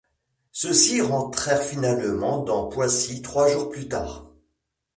Ceux-ci rentrèrent finalement dans Poissy trois jours plus tard.